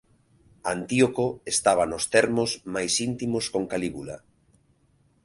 Antíoco estaba nos termos máis íntimos con Caligula.